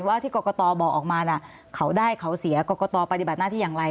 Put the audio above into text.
ที่กรกตบอกออกมาเขาได้เขาเสียกรกตปฏิบัติหน้าที่อย่างไร